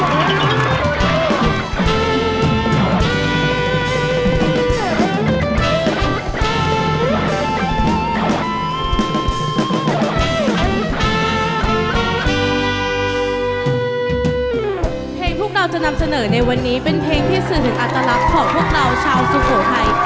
เพลงที่เราจะนำเสนอในวันนี้เป็นเพลงที่สื่อถึงอัตลักษณ์ของพวกเราชาวสุโขทัย